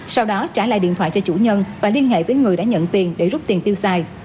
sau đó trả lại điện thoại cho chủ nhân và liên hệ với người đã nhận tiền để rút tiền tiêu xài